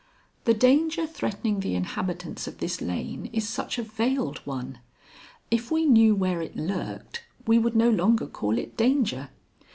The danger threatening the inhabitants of this lane is such a veiled one. If we knew where it lurked, we would no longer call it danger.